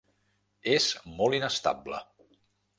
És molt inestable.